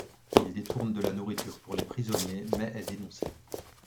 Il détourne de la nourriture pour les prisonniers, mais est dénoncé.